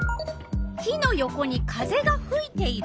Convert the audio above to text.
火の横に風がふいている。